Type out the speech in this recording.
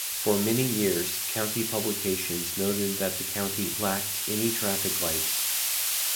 For many years, county publications noted that the county lacked any traffic lights.